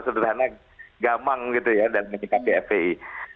sederhana gamang gitu ya dan menyikapi fpi